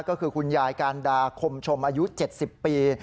ก็คือคุณยายการดาคมชมอายุ๗๐ปี